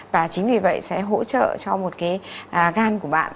và chính vì vậy sẽ hỗ trợ cho một cái gan của bạn